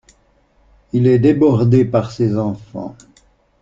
Il est débordé par ces enfants.